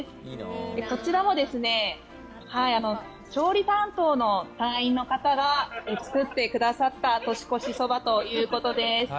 こちらは調理担当の隊員の方が作ってくださった年越しそばということです。